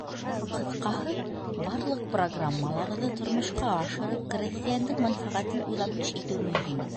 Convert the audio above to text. Ҡыҫҡаһы, барлыҡ программаларҙы тормошҡа ашырып, крәҫтиәндең мәнфәғәтен уйлап эш итеү мөһим.